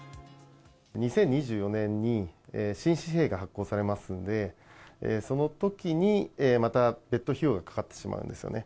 ２０２４年に、新紙幣が発行されますので、そのときにまた別途費用がかかってしまうんですよね。